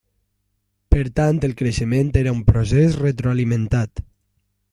Per tant el creixement era un procés retroalimentat.